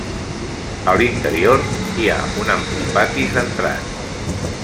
A l'interior, hi ha un ampli pati centrat.